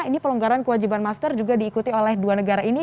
ini pelonggaran kewajiban masker juga diikuti oleh dua negara ini